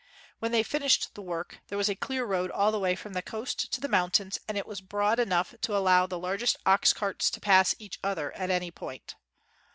When they finished the work, there was a clear road all the way from the coast to the mountains and it was broad enough to allow the largest ox carts to pass each other at any point.